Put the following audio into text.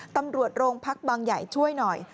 ตำรวจโรงพักบางใหญ่ช่วยหน่อย